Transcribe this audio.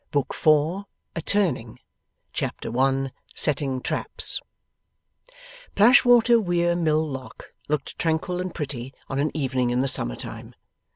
BOOK THE FOURTH A TURNING Chapter 1 SETTING TRAPS Plashwater Weir Mill Lock looked tranquil and pretty on an evening in the summer time.